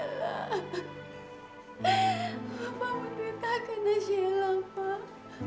bapak meneritakan saya pak